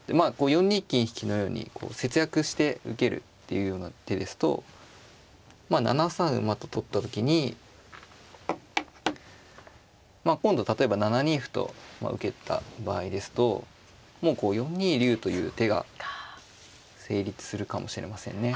４二金引のように節約して受けるっていうような手ですと７三馬と取った時に今度は例えば７二歩と受けた場合ですともう４二竜という手が成立するかもしれませんね。